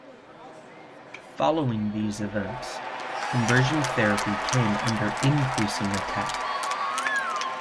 Following these events, conversion therapy came under increasing attack.